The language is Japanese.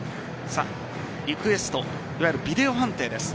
リクエストいわゆるビデオ判定です。